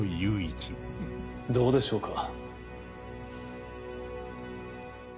どうでしょうか。